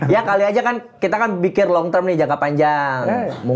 ya kali aja kan kita kan pikir long term nih jangka panjang